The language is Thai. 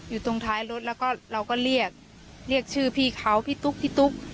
อยู่ตรงท้ายรถแล้วก็เราก็เรียกเรียกชื่อพี่เขาพี่ตุ๊กพี่ตุ๊ก